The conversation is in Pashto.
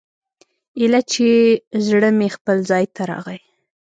ايله چې زړه مې خپل ځاى ته راغى.